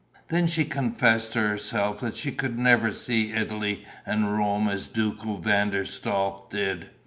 Then she confessed to herself that she could never see Italy and Rome as Duco van der Staal did.